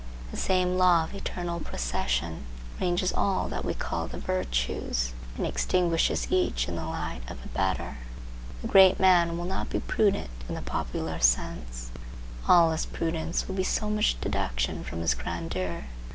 The same law of eternal procession ranges all that we call the virtues, and extinguishes each in the light of a better. The great man will not be prudent in the popular sense; all his prudence will be so much deduction from his grandeur.